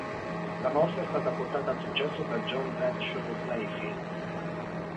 La mossa è stata portata al successo da John Bradshaw Layfield.